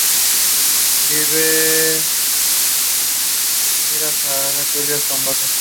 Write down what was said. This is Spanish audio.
Pero Mothra no podía prevalecer contra Death Ghidorah.